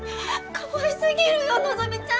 かわいすぎるよ希ちゃん！